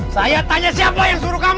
saya tanya siapa yang suruh kamu